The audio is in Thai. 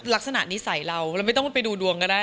ลักษณะนิสัยเราเราไม่ต้องไปดูดวงก็ได้